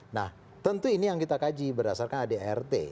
nah tentu ini yang kita kaji berdasarkan adrt